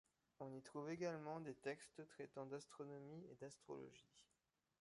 On y trouve également des textes traitant d'astronomie et d'astrologie.